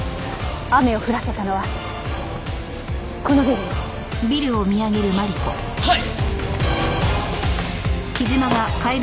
雨を降らせたのはこのビルよ。ははい！